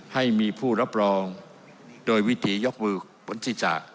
ให้มีผู้รับรองโดยวิถียกวือกฎศิษย์ศาสตร์